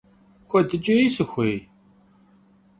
Kuedıç'êy sıxuêy?